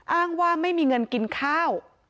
อ้างว่าไม่มีเงินกินข้าว